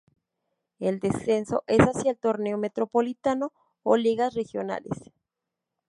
El descenso es hacia el Torneo Metropolitano o Ligas Regionales.